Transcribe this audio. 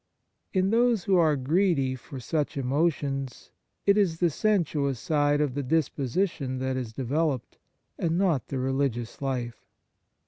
In those who are greedy for such emo tions, it is the sensuous side of the dis position that is developed, and not the religious life.